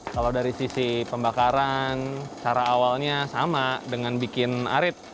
kalau dari sisi pembakaran cara awalnya sama dengan bikin arit